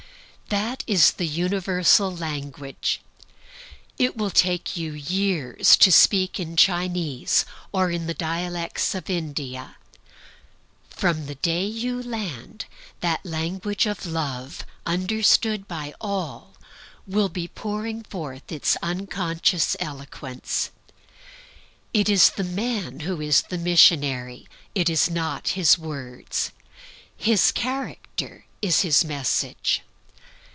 That is the universal language. It will take them years to speak in Chinese, or in the dialects of India. From the day they land, that language of Love, understood by all, will be pouring forth its unconscious eloquence. It is the man who is the missionary, it is not his words. His character is his message.